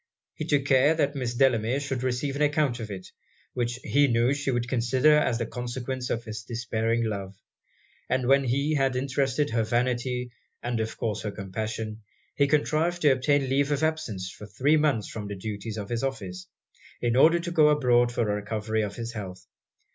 He took care that Miss Delamere should receive an account of it, which he knew she would consider as the consequence of his despairing love; and when he had interested her vanity and of course her compassion, he contrived to obtain leave of absence for three months from the duties of his office, in order to go abroad for the recovery of his health.